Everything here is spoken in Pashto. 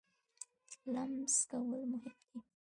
لمس کول مهم دی.